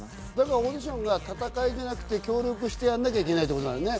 オーディションが戦いじゃなくて、協力してやらなきゃいけないってことだよね。